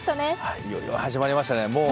いよいよ始まりました。